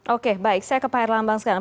oke baik saya ke pak erlambang sekarang